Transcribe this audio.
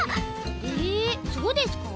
ええそうですか？